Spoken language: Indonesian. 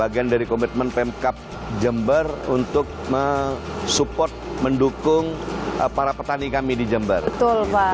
dan berikutnya saya video yang kita pc video